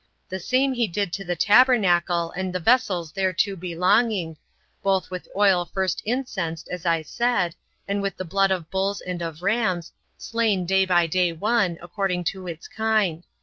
The same he did to the tabernacle, and the vessels thereto belonging, both with oil first incensed, as I said, and with the blood of bulls and of rams, slain day by day one, according to its kind.